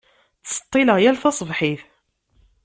Tṣeṭṭileɣ yal taṣebḥit.